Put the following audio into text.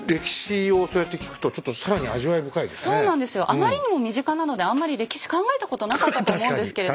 あまりにも身近なのであんまり歴史考えたことなかったと思うんですけれども。